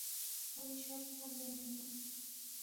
আমি সব সামলে নেব।